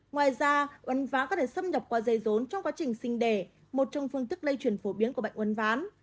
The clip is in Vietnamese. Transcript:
ngoài ra uấn ván có thể xâm nhập qua dây rốn trong quá trình sinh đẻ một trong phương thức lây chuyển phổ biến của bệnh uấn ván